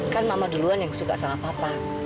kan mama duluan yang suka salah papa